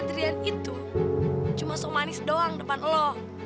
adrian itu cuma sok manis doang depan lo